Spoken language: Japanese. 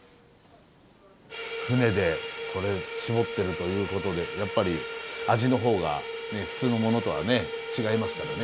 槽でこれ搾ってるということでやっぱり味のほうが普通のものとはね違いますからね。